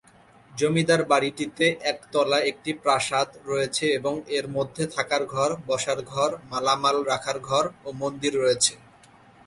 জমিদার বাড়িটিতে একতলা একটি প্রাসাদ রয়েছে এবং এর মধ্যে থাকার ঘর, বসার ঘর, মালামাল রাখার ঘর ও মন্দির রয়েছে।